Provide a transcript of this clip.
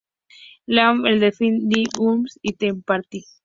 Law", el telefilme "Miss Evers' Boys" y "The Practice".